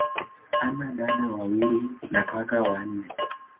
Ana dada wawili na kaka wanne.